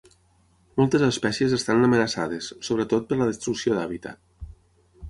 Moltes espècies estan amenaçades, sobretot per la destrucció d'hàbitat.